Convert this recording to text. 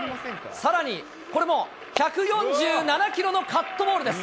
さらに、これも１４７キロのカットボールです。